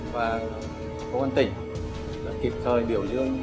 và công an tỉnh kịp thời biểu hiện